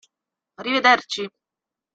Arrivederci.